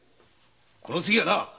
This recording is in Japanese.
この次はな